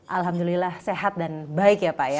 alhamdulillah sehat dan baik ya pak ya